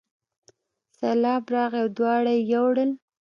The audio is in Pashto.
سیلاب راغی او دواړه یې یووړل.